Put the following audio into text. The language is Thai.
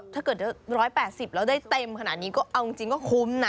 ถ้าเกิด๑๘๐แล้วได้เต็มขนาดนี้ก็เอาจริงก็คุ้มนะ